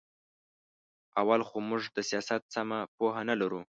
اول خو موږ د سیاست سمه پوهه نه لرو.